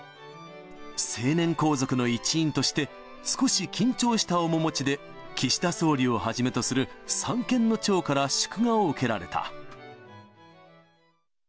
成年皇族の一員として、少し緊張した面持ちで、岸田総理をはじめとする三権の長から祝賀を受けられた。